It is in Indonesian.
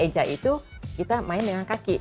sambil ejak itu kita main dengan kaki